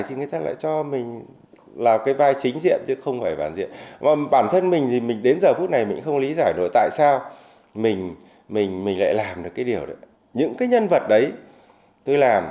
những cái nhân vật đấy tôi làm đều với một cái trách nhiệm cao nhất